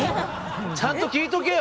ちゃんと聞いとけよ！